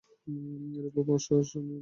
অনুরূপভাবে অশ্ব, অশ্বিনী ইত্যাদি।